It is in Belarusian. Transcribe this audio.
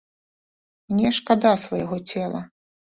Мне шкада свайго цела.